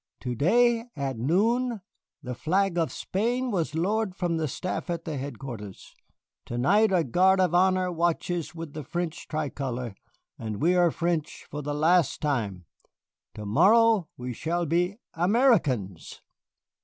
Today, at noon, the flag of Spain was lowered from the staff at the headquarters. To night a guard of honor watches with the French Tricolor, and we are French for the last time. To morrow we shall be Americans."